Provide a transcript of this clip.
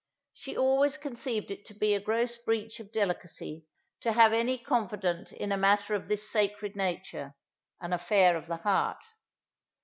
She always conceived it to be a gross breach of delicacy to have any confidant in a matter of this sacred nature, an affair of the heart.